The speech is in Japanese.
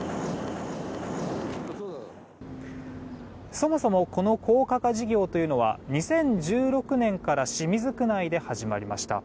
そもそもこの高架化事業というのは２０１６年から清水区内で始まりました。